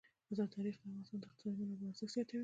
تاریخ د افغانستان د اقتصادي منابعو ارزښت زیاتوي.